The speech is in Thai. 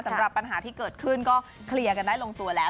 สำหรับปัญหาที่เกิดขึ้นก็เคลียร์กันได้ลงตัวแล้ว